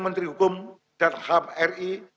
menteri hukum dan ham ri